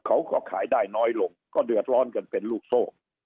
เขาก็ขายได้น้อยลงก็เดือดร้อนกันเป็นลูกโซ่